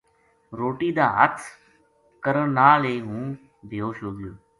روٹی دا ہتھ کرن نال ہی ہوں بے ہوش ہو گیو